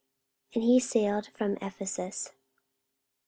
And he sailed from Ephesus.